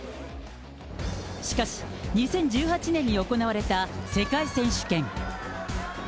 しかし、２０１８年に行われた世界選手権。